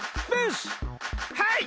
はい！